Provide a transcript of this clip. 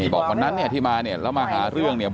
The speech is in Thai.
บอกวันนั้นเนี่ยที่มาเนี่ยแล้วมาหาเรื่องเนี่ย